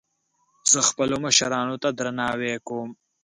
زه خپلو مشرانو ته درناوی کوم